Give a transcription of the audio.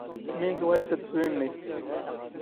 ⵎⵉⵏ ⵜⵡⴰⵜⵙⴷ ⵙ ⵓⵢⵏⵏⵉ?